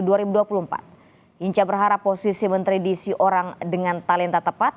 hinca berharap posisi menteri diisi orang dengan talenta tepat